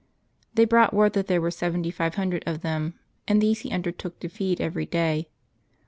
They brought word that there were seventy five hundred of them, and these he undertook to feed every day.